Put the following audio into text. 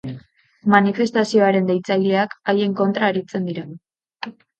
Manifestazioaren deitzaileak haien kontra aritzen dira.